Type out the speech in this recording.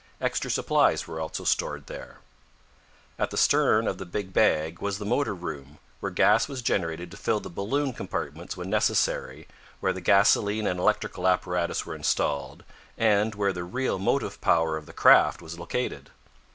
Extra supplies were also stored there. At the stern of the big bag was the motor room, where gas was generated to fill the balloon compartments when necessary, where the gasoline and electrical apparatus were installed, and where the real motive power of the craft was located.